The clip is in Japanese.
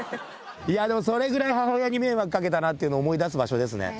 いやでも、それぐらい母親に迷惑かけたなっていうのを思い出す場所ですね。